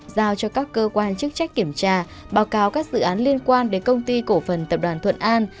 giao cho các cơ quan chức trách kiểm tra báo cáo các dự án liên quan đến công ty cổ phần tập đoàn thuận an